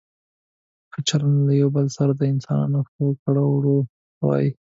ښه چلند له یو بل سره د انسانانو ښو کړو وړو ته وايي.